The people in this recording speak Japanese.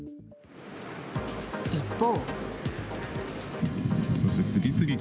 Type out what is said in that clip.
一方。